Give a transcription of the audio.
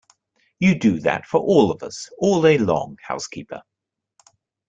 You do that for all of us, all day long, housekeeper!